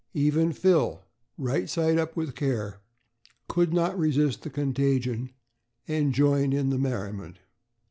Even Phil, now "right side up with care," could not resist the contagion and joined in the merriment.